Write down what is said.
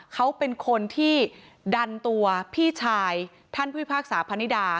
เขาเป็นคนที่ดันตัวพี่ชายท่านผู้พิพากษาพนิดา